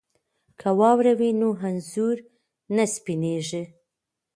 که واوره وي نو انځور نه سپینیږي.